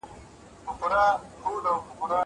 هغه څوک چي مړۍ خوري روغ وي.